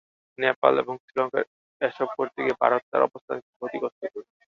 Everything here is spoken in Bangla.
নেপাল ও শ্রীলঙ্কায় এসব করতে গিয়ে ভারত তার অবস্থানকে ক্ষতিগ্রস্ত করেছে।